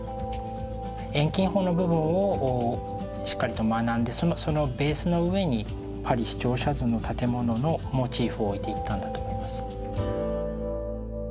遠近法の部分をしっかりと学んでそのベースの上にパリ市庁舎図の建物のモチーフを置いていったんだと思います。